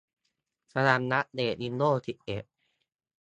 กำลังอัปเดตวินโดวส์สิบเอ็ด